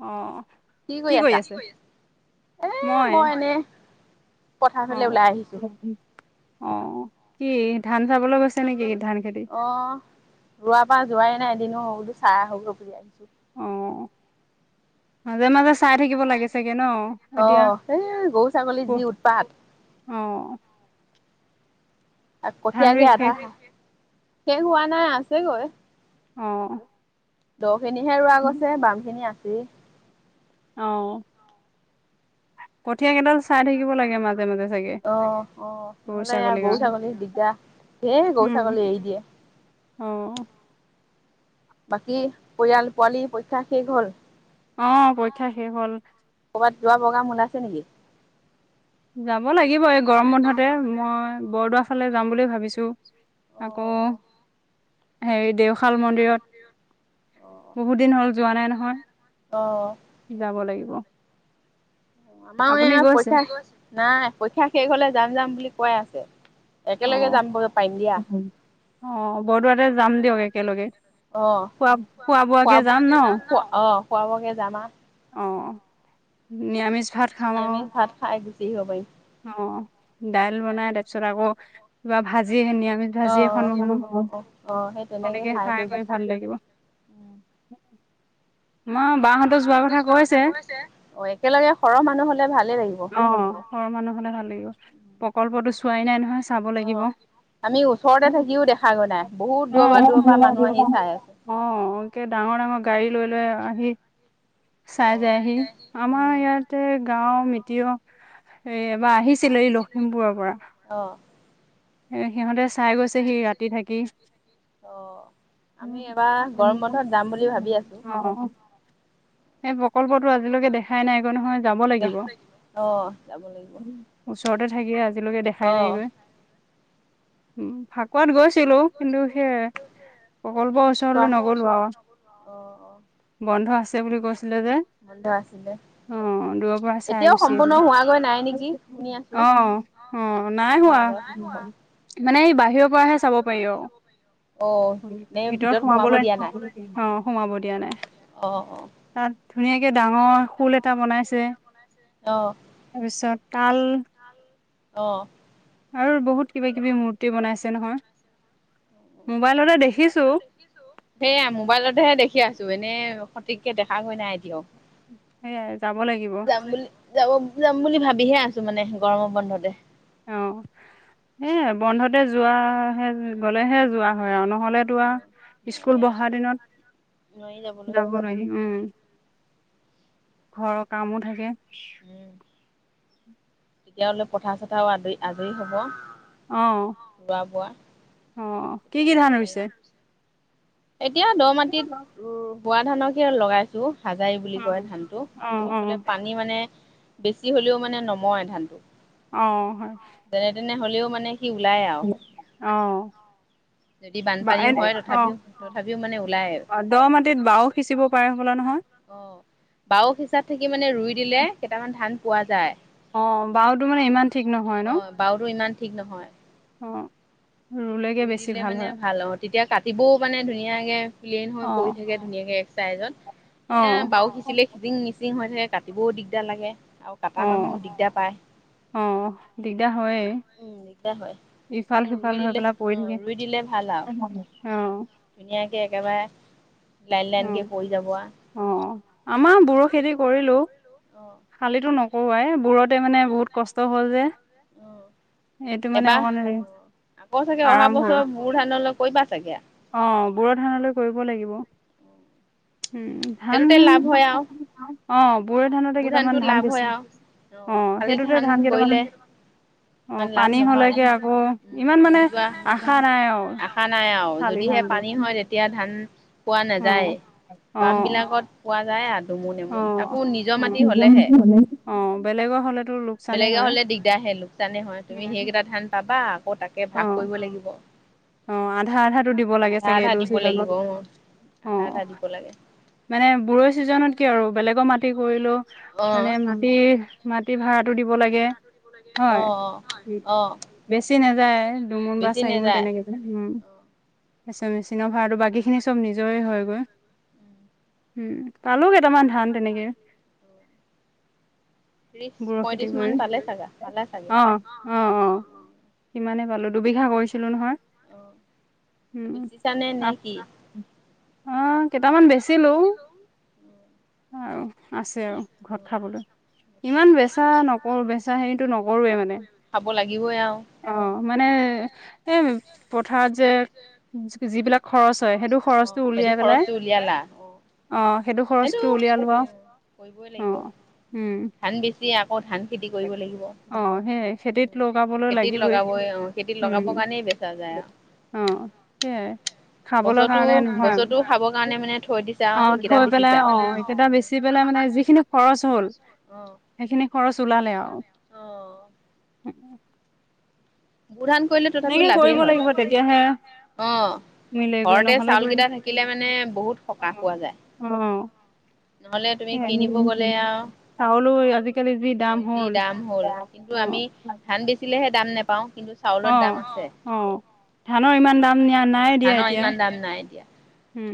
অ', কৰি আছা? কি কৰি এ মই এনে অ', পথাৰৰ ফালে ওলাই আহিছো। অ' কি ধান চাবলৈ গৈছে নেকি ধান খেতিত? অ ৰোৱা পা যোৱাই নাই এদিনো বোলো চাই আহোঁগৈ বোলো আহিছো। অ', মাজে মাজে চাই চাই থাকিব চাগে ন? লাগে, অ' এতিয়া সেই গৰু ছাগলীৰ যি উৎপাত। অঁ ধান কঠিয়া কি ৰুই আধা, শেষ শেষ হোৱা নাই আছেগৈ, অ', ৰুবলৈ। দ খিনিহে ৰোৱা গৈছে বাম খিনি আছেই। অ' কঠীয়া কেইডাল চাই থাকিব লাগে, অ' অ' গৰু নহলে ছাগলীৰ গৰু, কাৰণে ছাগলী দিগদাৰ। ধেই উম, গৰু-ছাগলী এৰি দিয়ে। অ'। বাকী, পৰিয়াল, পোৱালী পৰীক্ষা শেষ হ'ল। অ', পৰীক্ষা শেষ হ'ল। ক'ৰবাত যোৱা প্ৰগ্ৰাম ওলাইছে নেকি? যাব লাগিব, এই গৰম বন্ধতে, মই বৰদোৱা ফালে যাম বুলি ভাবিছো। অ আকৌ হেৰি, দেওশা দেওশাল মন্দিৰত অ', বহুত দিন যোৱা নাই নহয়, অ'। যাব লাগিব। আমাৰ আপুনি এও গৈছে পৰীক্ষা নাই, পৰীক্ষা শেষ হ'লে, যাম, যাম বুলি কৈ আছে। অ একেলগে যাম [unintelligible] পাৰিম দিয়া। অ', বৰদোৱাতে যাম দিয়ক, একলগে অ', খোৱা, খোৱা- বোৱাকে যাম ন। খোৱা-বোৱাকে যাম আৰু। অ', নিৰামিষ ভাত খাম আৰু নিৰামিষ ভাত খাই গুচি আহিব পাৰি। অ', দাইল বনাই, তাৰপিছত আকৌ কিবা ভাজি, নিৰামিষ অ ভাজি এখন, অ বনালেও অ অ সেই হ'ব। তেনেকে এনেকে খাই কৰি গুচি ভাল লাগিব। [unintelligible] বাহতো যোৱাৰ কথা কৈছে, একেলগে সৰহ মানুহ হ'লে ভালে লাগিব। সৰহ মানুহ হ'লে ভাল লাগিব, প্ৰকল্পতো চোৱাই নাই নহয়। চাব লাগিব অ', আমি অ ওচৰতে থাকিও দেখা গৈ নাই, বহুত দূৰৰ পৰা, দূৰৰ পৰা মানুহ আহি চাই আছে। অ', একে ডাঙৰ, ডাঙৰ গাড়ী লৈ, লৈ আহি চাই যায়হি, আমাৰ ইয়াতে গাঁওৰ মিতিৰৰ এ এবাৰ আহিছিলে, এই লখিমপুৰৰ পৰা অ'। এ সিহঁতে চাই গৈছে হি ৰাতি থাকি। অ', আমি এবাৰ গৰম বন্ধত যাম বুলি ভাবি আছো। অ'। এই প্ৰকল্পটো আজিলৈকে দেখাই নাই গৈ নহয়, যাব দে লাগিব। অ', যাব লাগিব ওচৰতে থাকিলে আজিলৈকে দেখাই নাই অ', গৈ, উম, ফাকুৱাত গৈছ ছিলো, কিন্তু সেই প্ৰকল্পৰ চোৱা ওচৰলৈ নগ'লো আৰু। অ', অ', বন্ধ আছে বুলি কৈছিলে যে, বন্ধ আছিলে অ', দুৰ পৰা চাই এতিয়াও গুচি সম্পূৰ্ণ আহিলো, হোৱাগৈ নাই নেকি শুনি আছো। অ', অ', নাই মানুহৰ হোৱা। আগত মুখত মানে ই বাহিৰৰ পৰাহে চাব পাৰি আৰু। অ', নে ভিতৰত সোমাব সোমাবলৈ, দিয়া নাই অ', সোমাব দিয়া নাই। অ', অ'। তাত ধুনীয়াকে ডাঙৰ শোল এটা বনাইছে। অ'। তাৰপিছত তাল অ'। আৰু বহুত কিবা, কিবি মূৰ্তি বনাইছে নহয়, অ'। মোবাইলতে দেখিছো। সেইয়া মোবাইলতহে দেখি আছো, এনেই সঠিককে দেখা গৈ নাই এতিয়াও। সেইয়াই যাব লাগিব। যাম বুলি যাব, যাম বুলি ভাবিহে আছো মানে গৰমৰ বন্ধতে। অ'। এ বন্ধতে যোৱা হে গ'লেহে যোৱা হয় আৰু নহ'লেতো আও স্কুল নহ'লে বহা দিনত নোৱাৰি যাবলৈ যাব [unintelligible] উম। ঘৰৰ কামো থাকে। তেতিয়া অলপ পথাৰ-চথাৰ আজৰি আজৰি হব। অ'। ৰুবা-বোৱা। অ'। কি কি ধান ৰুইছে এতিয়া দ-মাটিত উম, বৰা ধানকে লগাইছে। হাজাৰি অ বুলি কয় ধানটো অ অ [unintelligible] পানী মানে বেছি হ'লেও মানে নমৰে ধানটো। অ' হয়। যেনেতেনে হ'লেও মানে গুটি ওলায় আও, অ যদি বা বানপানীও এনে হয় অ তথাপিও তথাপিও মানে ওলাই আৰু। দ' মাটিত বাও সিচিব পাৰে হবলা নহয়? অ' বাও সিচাত থাকি মানে ৰুই দিলে কেইটামান ধান পোৱা যায়। অ বাওতো মানে ইমান ঠিক নহয় ন অ' বাওতো ইমান ঠিক নহয়। অ ৰুলেগে ৰুই বেছি দিলে হয় মানে ভাল আও, তেতিয়া কাটিবও মানে ধুনীয়াকে প্লেইন হৈ পৰি অ', থাকে। ধুনীয়াকে এক চাইজত, এ অ'। বাও সিচিলে খিছিং মিচিং হৈ থাকে কাটিবও দিগদাৰ লাগে। আৰু কাটা অ', মানুহো দিগদাৰ পায়। অ' দিগদাৰ হয়েই। উম, দিগদাৰ হয়। ৰুই ইফাল-সিফাল হৈ দিলে পেলাই পৰি অ', ৰুই দিলে ভাল আৰু থাকিম অ'। ধুনীয়াকে একেবাৰে লাইন অ', লাইনকে পৰি যাব আ। অ' আমাৰ বড়ো খেতি কৰিলো, অ'। শালিটো নকৰো আই বোৰত তে' মানে বহুত কষ্ট হল যে। উম এইটো মানে এবাৰ [unintelligible] আকৌ চাগে অহা আৰাম হ'ল। [unintelligible] ধানলৈ কাৰিবা চাগে। অ' বড়ো ধান হ'লে কৰিব লাগিব উম। ধান সেইটোতে লাভ হয় আও। অ' বড়োধানতে কেইটামান ধান লাভ বেছি, হয় আৰু অ সেইটোতে ধান কেইটামান ইমান অ' লাভ পানী নহয় হ'লেগে আকৌ উম ইমান মানে মৰি যোৱা আশা নাই আও। আশা নাই আও, যদিহে পানী হয় তেতিয়া ধান পোৱা নাযায়ে। অ', অ'। বামবিলাকত পোৱা যায় আও দুমোন-এমোন। তাকো অ', নি জৰ মাটি নিজৰ হ'লেহে, মানুহ হ'লে অ', বেলেগৰ হ'লেতো লোকচানে বেলেগৰ হয়। হ'লে দিগদাৰ হে লোকচানে হয়। তুমি সেইকেইটা ধান পাবা, আকৌ তাকে ভাগ কৰিব অ', লাগিব। অ' আধা-আধাটো দিব লাগে আধা চাগে, আধা এইটো দিব লাগিব চিজনত অ আধা অ'। আধা দিব লাগে। মানে [unintelligible] চিজনতকে আৰু বেলেগৰ মাটি কৰিলও অ মানে মাটিৰ মাটিৰ ভাড়াটো দিব লাগে। অ হয় উ অ অ বেছি নাযায়, দুমোন বা বেছি চাৰিমোন নেযায়। তেনেকে। উম, পাছে মেচিনৰ ভাড়াটো বাকী খিনি চব নিজৰে হয় গৈ। উম, পালো কেইটামান ধান তেনেকে। বৰৈ খেতি ত্ৰিশ-পয়ত্ৰিশ কৰি। মান পালে চাগা, পালে চাগে। অ', অ' অ', সিমানে পালো দুবিঘা কৰিছিলো নহয়। অ উম, বেচিছানে আ নে কি? অঁ কেইটামান বেছিলো। আ আছে আৰু ঘৰত খাবলৈ। ইমান বেচা নকৰো বেচা হেৰিটো নকৰোৱে মানে। ব লগিবই আও অ মানে এ এই পথাৰত যে যিবিলাক খৰচ হয় সেইটো খৰচটো সেইটো উলিয়াই পেলাই খৰচটো উলিয়ালা অ সেইটো খৰচটো উলিয়াই লোৱা। কৰিবই লাগিব। উম। ধান বেছি আকৌ ধান খেতি কৰিব লাগিব বা অ', সেই খেতিত আকৌ লগাবলৈ খেতিত লাগিবই লগাবই অ। খেতিত উম, লগাব কাৰণে বেচা যায় আ। অ সেইয়াই। খাবলৈ বছৰতো কাৰণে নহয় বছৰতো খাবৰ কাৰণে মানে থৈ দিছা আৰু অ এইকেইটা থৈ পেলাই বেচিছা অ এইকেইটা বেচি পেলাই মানে যিখিনি সেইখিনি খৰচ হয় অ। সেইখিনি খৰছ ওলালে অ। অ উম উ। বড়োধান কৰিলেটো এনেকে কৰিব লাগিব তেতিয়াহে। অ মিলেগৈ ঘৰতে নহ'লে অ চাউলকেইটা থাকিলে মানে বহুত সকাহ পোৱা যায় অ। নহ'লে তুমি কিনিব গ'লে আৰু চাউলো আজিকালি যি দাম যি হ'ল দাম হ'ল কিন্তু অ। আমি ধান বেচিলেহে দাম নোপাওঁ কিন্তু চা চাউলত দাম অ', আছে, অ', ধানৰ ইমান দাম দিয়া ধানৰ ইমান দাম নাই এতিয়া। হুম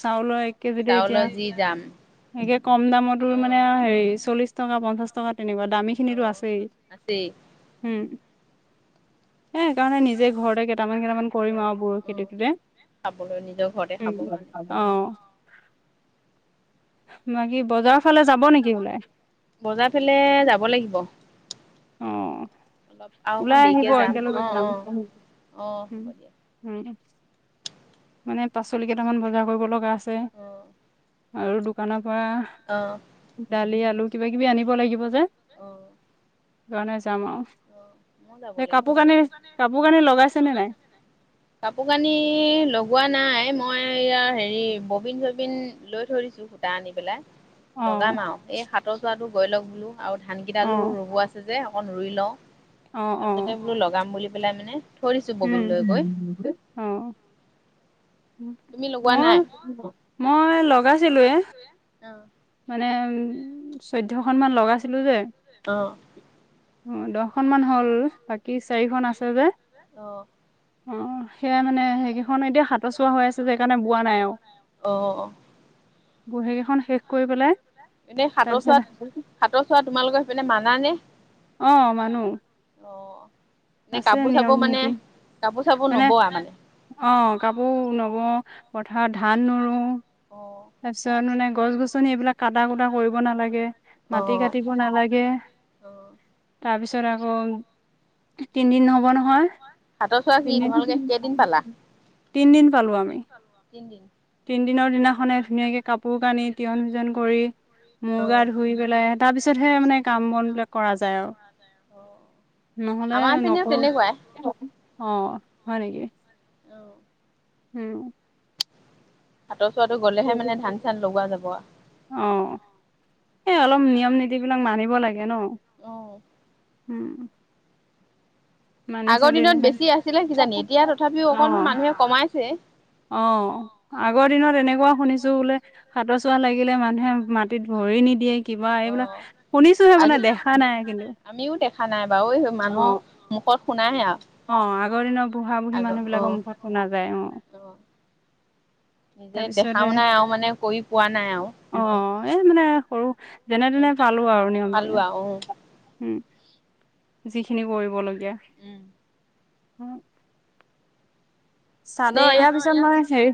চাউলৰ এক কেজিতে এতিয়া চাউলৰ যি দাম একে কম দামতো অ মানে আৰু হেৰি চলিশ টকা, পঞ্চাশ টকা তেনেকুৱা দামী অ খিনিৰো আছেই। আছেই উম একাৰণে নিজে ঘৰতে কেইটামান কেইটামান। অ কৰিম আৰু বোৰ অ খেতি টোতে খাবলৈ নিজৰ ঘৰতে খাবৰ হুম। কাৰণে অ বাকি বজা। বজাৰ ফালে যাব লাগিব। অ অলপ আৰু অকণ ওলাই দেৰিকে আহিব একেলগে অ যাম। অ অ হ'ব দিয়া উম। মানে পাচলি কেইটামান বজাৰ কৰিব লগা আছে অ আৰু দোকানৰ পৰা। অ। দালি, আলু কিবা কিবি আনিব লাগিব যে। অ। সেই কাৰণে যামআওঁ। অ মই যাব লাগিব কাপোৰ ক কাপোৰ কাণে লগাইছে নে নাই। কাপোৰ কানি লগোৱা নাই মই ইয়াৰ হেৰি ববিন চবিন লৈ থৈয় দিছো সূটা আনি পেলাই। অ লগাম আৰু এই হাতৰ চোৱাটো গৈ লওক বোলো আৰু ধান অ কেইডালো ৰুব আছে যে অকন ৰুই লওঁ।। অ আৰু অ তাতে বোলো লগাম বুলি পেলাই মানে থৈ দিছো উম ববিন লৈ কৈ। অ। তুমি লগোৱা মই নাই? মই লগাইছিলোৱেই। মানে উ চৈধ্যয়খনমান লগাইছিলো যে। অ। অ দহখন মান হ'ল বাকী চাৰিখন আছে যে। অ। অ', সেয়াই মানে, সেইকেইখন এতিয়া সাতৰ চুৱা হৈ আছে যে সেইকাৰণে বোৱা নাই আৰু। অ সেই কেইখন শেষ কৰি পেলাই এনেই সাতৰ তাৰপিছত চুৱাত সাতৰ চুৱা তোমালোকৰ সেইপিনে মানা নে? অ' মানো। অ', এনেই কাপোৰ চাপোৰ মানে নীতি কাপোৰ চাপোৰ নবোৱা মানে? অ' কাপোৰ নবও পথাৰত ধান নোৰো অঁ। তাৰ পিছত মানে গছ গছনি এইবিলাক কটা কুটা কৰিব নালাগে, অ মাটি কাটিব নালাগে অ', তাৰপিছত আকৌ তিনদিন হ'ব নহয়। হাতৰ চোৱা কি তোমালোকে কেইদিন পালা? তিনদিন। তিনদিন পালো আমি? তিনদিন তিনদিনৰ দিনাখনে গোটেই কাপোৰ কানি তিয়ন ভিজন কৰি মুৰ অ'। গা অ', ধুই পেলাই তাৰ পিছতহে মানে কাম বন বিলাক কৰা যায় আৰু। নহ'লে আমাৰ পিনেও নকৰো, তেনেকুৱাই অ' হয় নেকি? [inaudible] উম। সাঁতৰ চুৱাটো গ'লেহে মানে ধান চান লগোৱা যাব আৰু। অঁ। এ অলপ নিয়ম নীতি বিলাক মানিব লাগে ন? অ', উম। মানি আগৰ দিনত চলিলেহে বেছি আছিলে কিজানি? এতিয়া তথাপিও অকণ অ মানুহে কমাইছে। অ', আগৰ দিনত এনেকুৱা শুনিছো বোলে সাতৰ চুৱা লাগিলে মানুহে মাটিত ভৰি নিদিয়ে। কিবা এইবিলাক শুনিছোহে অ' আজি মানে দেখা কিন্তু নাই, আমিও দেখা নাই। বাৰু মানুহ অ' মুখত শুনাহে আৰু। অ' আগৰ দিনৰ বুঢ়া বুঢ়ী আগৰ মানুহ বিলাকৰ অ', মুখত শুনা যায় অ'। নিজে তাৰপিছতে দেখাও নাই আৰু মানে কৰি পোৱা নাই আৰু। অ' এই মানে সৰু যেনে তেনে পালো আৰু নিয়ম বিলাক। উম, যিখিনি কৰিবলগীয়া। উম। উম। এনে চাদৰ, ইয়াৰ পিছত মই হেৰি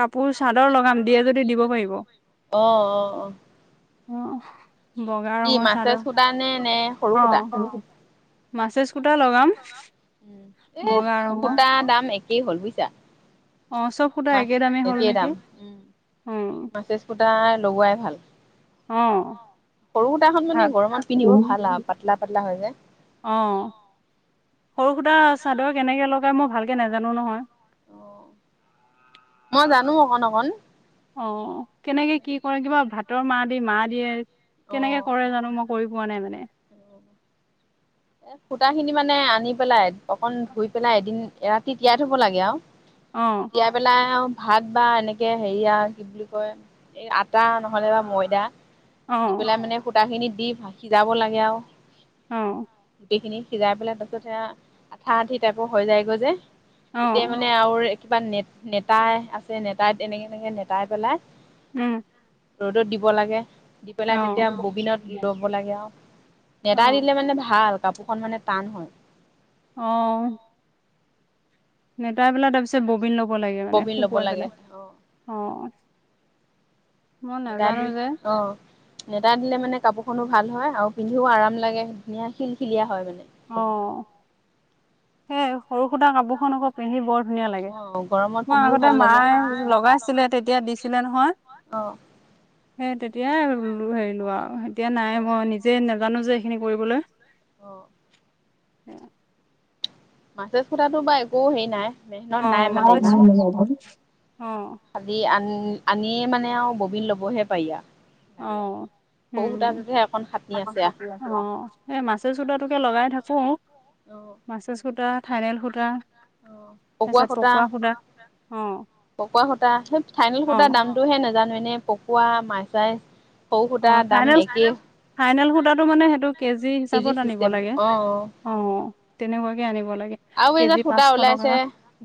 কাপোৰ চাদৰ লগাম, দিয়ে যদি দিব পাৰিব। অ' অ অ অ বগা কি ৰঙৰ মাছে চাদৰ সূতা নে নে সৰু সূতা অ'। মাছেজ সুটা লগাম বগা ৰঙৰ। আ দাম এক কেই হ'ল বুজিছা? অ' চব সুতা মাছ একে দামেই হ'ল একেই নেকি? অ'। সুটাই লগোৱাই ভাল। অ', সৰু সুটা খন ভাল মানে গৰমত পিন্ধিব ভাল আৰু পাতলা পাতলা হয় যে। অঁ, সৰু সুতা চাদৰ কেনেকৈ লগাই মই ভালকৈ নাজানো নহয়? অ মই জানো অকন অকন। অ', কেনেকে কি কৰে কিবা ভাতৰ মাৰ দি মা দিয়ে অ কেনেকে কৰে জানো মোক কৰি পোৱা নাই মানে। এ সূতা খিনি মানে আনি পেলাই অকন ধুই পেলাই এদিন এ ৰাতি তিয়াই থব লাগে আৰু। অঁ তিয়াই পেলাই আৰু ভাত বা এনেকে হেৰিয়া কি বুলি কয়, এই আটা নহ'লে বা ময়দা দি অ', পেলাই মানে সূতা খিনি দি সিজাব লাগে আৰু, অ গুটি খিনি সিজাই পেলাই তাৰ পিছত সেয়া আঠা আঠি টাইপৰ হৈ যায়গৈ যে, তেতিয়া অ', মানে আৰু কিবা ন নেতা আছে নেতাই তেনেকে তেনেকে নেতাই পেলাই, উম ৰ'দত দিব লাগে। পেলাই তেতিয়া অ'। ববিনত ল'ব লাগে আৰু নেদা অ', দিলে মানে ভাল, কাপোৰখন মানে টান হয়। অ নেতাই পেলাই তাৰ পিছত ববিন ল'ব লাগে মানে ববিন ল'ব শুকুৱাই লাগে পেলাই অ অ অ, মই নাজানো যে [unintelligible] নেটাা দিলে মানে কাপোৰখনো ভাল হয় আৰু পিন্ধিও আৰাম লাগে ধুনীয়া শিলখিলিয়া হয় মানে। অ সেই সৰু সুটা কাপোৰখন আক পিন্ধি বৰ ধুনীয়া লাগে। অ গৰমত মই পিন্ধিও আগতে ভাল লাগে। মায়ে লগাইছিলে তেতিয়া দিছিলে নহয়। অ। অ সেই হেৰি লো আৰু এতিয়া মই নিজে নাজানো যে এইখিনি কৰিবলৈ, অ অ মাছেজ খথাটো বা একো হেৰি নাই মেহনত নাই অ', মানে মাছে ইমান। অ', খালি আন আনিয়ে মানে আৰু ববিন ল'বহে পাৰি আউ। লাগে আৰু অ', সৰু উম। সূতাতহে এখন, অ এই মাছে সূতা টোকে লগাই থাকো। অ মাছেজ সূতা, থাইনেল সূতা, তাৰ পিছত পকোৱা সূতা। পকোৱা সূতা সে ফাইনেল সূতাৰ অ', দামটোহে নাজানো এনেই, পকোৱা মাছাই, অ ফাইনেল ফাইনেল সূতাটো মানে সেইটো কেজি হিচাপত আনিব লাগে। অ তেনেকুৱাকে আনিব লাগে। আৰু কেজি এযাত সূতা পাঁচশ টকা ওলাইছে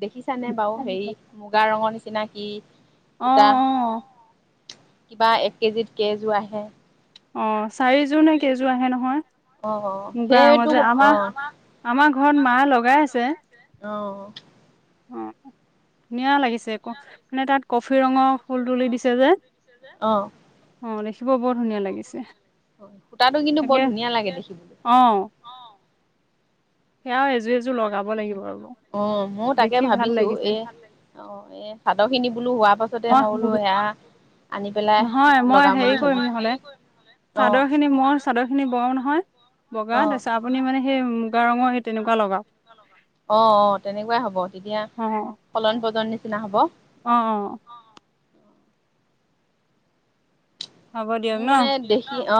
দেখিছানে বাৰু হেৰি মুগা ৰঙৰ নিচিনা কি। সূতা অ'অ' কিবা এক কেজিত কেইযোৰ আহে। অ' চাৰিযোৰ নে কেইযোৰ আহে নহয়। অ' মুগা অ'সেইটো ৰঙৰ যে সূ আমাৰ অ' আমাৰ ঘৰত মায়ে লগাই মা আছে লগাই আছে। অ' অ' ধুনীয়া লাগিছে ক। মানে তাত কফি ৰঙৰ ফুল তুলি দিছে যে। অ অ'দেখিব বৰ ধুনীয়া লাগিছে। হয় সূতাটো কিন্তু বৰ তাকে ধুনীয়া লাগে দেখিবলৈ। অ' সেয়াও এযোৰ এযোৰ লগাব লাগিব ৰব অ' মইও তাকে দেখি ভাল ভাবিছো লাগিছে এ, অ'এ'চাদৰ খিনি বোলো হোৱাৰ পাছতে মই বোলো সেয়া। আনি পেলাই নহয় মই লগাম হেৰি বুলি কৰিম ভাবিছোঁ। নহলে চাদৰ খিনি মই চাদৰ খিনি বও নহয় বগা অ' তাপিছত, আপুনি মানে সেই মুগা ৰঙৰ সেই তেনেকুৱা লগাক। অ' অ'তেনেকুৱাই হ'ব তেতিয়া ফলন ফলন নিচিনা হ'ব। অঁ অঁ'। হ'ব দিয়ক মোৰ ন মানে দেখি অঁ'।